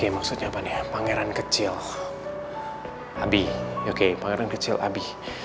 makar yang kecil abi